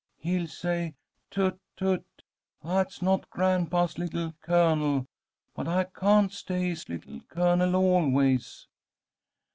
"He'll say, 'Tut, tut! That's not grandpa's Little Colonel.' But I can't stay his Little Colonel always."